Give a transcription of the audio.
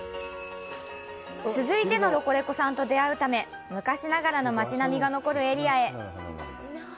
続いてのロコレコさんと出会うため、昔ながらの町並みが残るエリアへ。